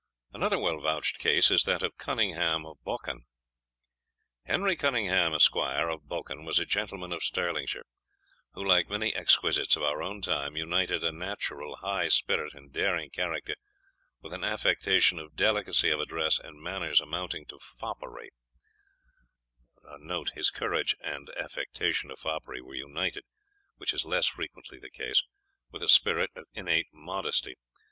Another well vouched case is that of Cunningham of Boquhan. Henry Cunningham, Esq. of Boquhan, was a gentleman of Stirlingshire, who, like many exquisites of our own time, united a natural high spirit and daring character with an affectation of delicacy of address and manners amounting to foppery.* * His courage and affectation of foppery were united, which is less frequently the case, with a spirit of innate modesty.